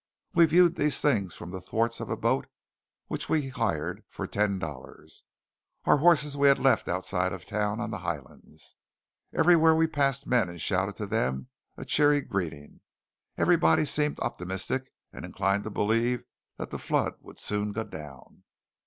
We viewed these things from the thwarts of a boat which we hired for ten dollars. Our horses we had left outside of town on the highlands. Everywhere we passed men and shouted to them a cheery greeting. Everybody seemed optimistic and inclined to believe that the flood would soon go down.